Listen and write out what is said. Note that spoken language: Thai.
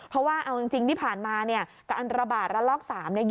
เพราะว่าเอาจริงที่ผ่านมาเนี่ยการระบาดระลอก๓เนี่ย